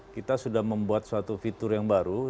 kita sudah membuat suatu fitur yang baru